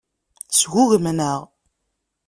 Sgugmen-aɣ.